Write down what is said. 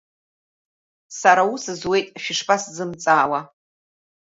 Сара ара аус зуеит, шәышԥасзымҵаауа!